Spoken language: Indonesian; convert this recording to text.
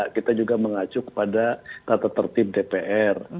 kita juga mengacu kepada tata tertib dpr